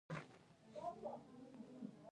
تنور د افغاني کورنۍ خوږ دود دی